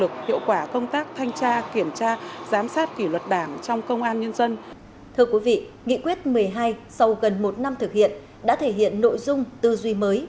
thưa quý vị nghị quyết một mươi hai sau gần một năm thực hiện đã thể hiện nội dung tư duy mới